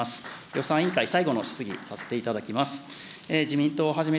予算委員会最後の質疑、させていただきます。